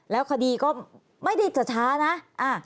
แล้วคดีก็ไม่ได้จะช้านะ